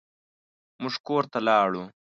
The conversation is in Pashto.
موږ کور ته لاړو.